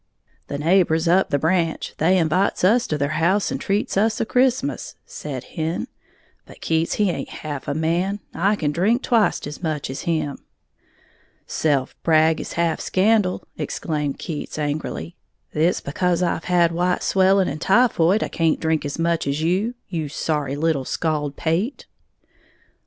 "The neighbors up the branch they invites us to their house and treats us a Christmas," said Hen; "but Keats he haint half a man, I can drink twict as much as him!" "Self brag is half scandal," exclaimed Keats, angrily; "it's because I've had white swelling and typhoid I can't drink as much as you, you sorry little scald pate!"